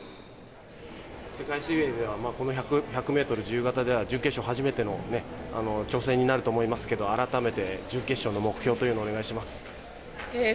世界水泳ではこの１００ｍ自由形では準決勝初めての挑戦になると思いますけども改めて、準決勝の目標をお願いします。